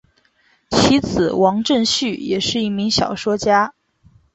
其子王震绪也是一名小说家。